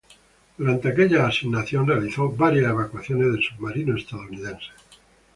Durante aquella asignación realizó varias evacuaciones de submarinos estadounidenses.